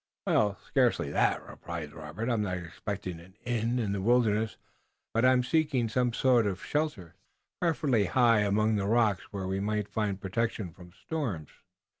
"Well, scarcely that," replied Robert. "I'm not expecting an inn in this wilderness, but I'm seeking some sort of shelter, preferably high up among the rocks, where we might find protection from storms."